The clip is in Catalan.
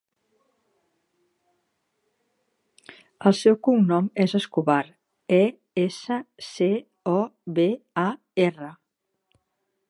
El seu cognom és Escobar: e, essa, ce, o, be, a, erra.